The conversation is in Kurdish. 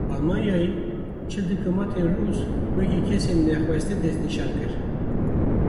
Almanyayê çil dîplomatên Rûs wekî kesên nexwestî destnîşan kir.